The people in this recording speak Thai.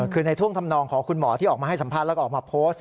คือในท่วงทำนองของคุณหมอที่ออกมาให้สัมภาษณ์แล้วก็ออกมาโพสต์